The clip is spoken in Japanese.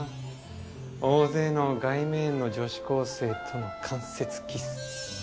大勢の外女園の女子高生との間接キス。